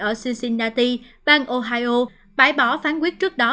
ở sushinati bang ohio bãi bỏ phán quyết trước đó